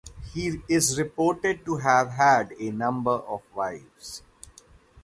He is reported to have had a number of wives.